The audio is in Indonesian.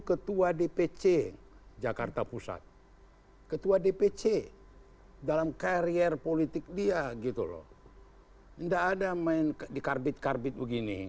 ketua dpc dalam karier politik dia tidak ada main di karbit karbit begini